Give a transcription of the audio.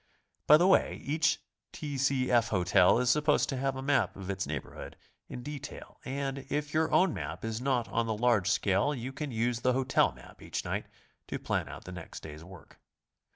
By the way, each T. C. F. hotel is supposed to have a map of its neighborhood, in detail, and if your own map is not on the large scale you can use the hotel map each night to plan out the next day's work.